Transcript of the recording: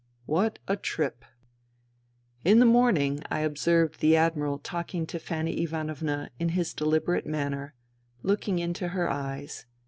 '* What a trip !... In the morning I observed the Admiral talking to Fanny Ivanovna in his deliberate manner, looking into her eyes.